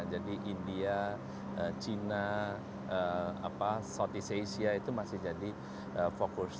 jadi india china south east asia itu masih jadi fokus